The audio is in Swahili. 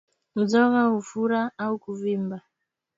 Mzoga hufura au kuvimba